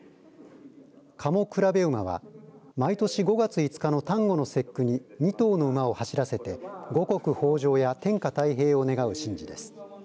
賀茂競馬は毎年５月５日の端午の節句に２頭の馬を走らせて五穀豊じょうや天下太平を願う神事です。